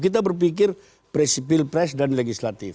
kita berpikir presipil pres dan legislatif